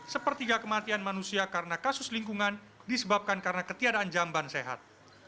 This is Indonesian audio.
sepertiga kematian manusia karena kasus lingkungan disebabkan karena ketiadaan jamban sehat